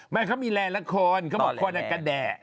ไม่เค้ามีแลนด์ละคนเค้าบอกคนอ่ะกระแดะ